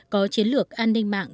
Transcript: có chiến lược an ninh mạng